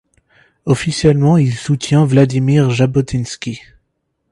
Officiellement il soutient Vladimir Jabotinsky.